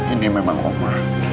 ini memang oma